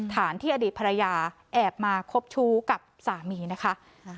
ฐานที่อดีตภรรยาแอบมาคบชู้กับสามีนะคะ